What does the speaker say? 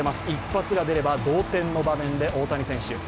一発が出れば同点の場面で大谷選手。